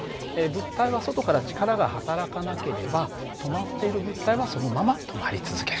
物体は外から力がはたらかなければ止まっている物体はそのまま止まり続ける。